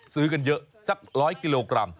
ซื้อกันเยอะสัก๑๐๐กิโลกรัม